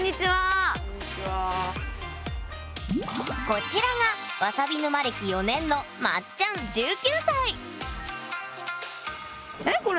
こちらがわさび沼歴４年のまっちゃん１９歳！